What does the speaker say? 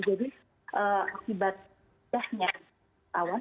jadi akibat jahatnya awan